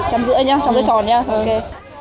trầm rưỡi nhé trầm rưỡi tròn nhé